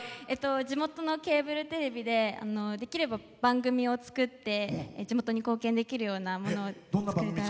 地元のケーブルテレビでできれば、番組を作って地元に貢献できるようなものを作れたら。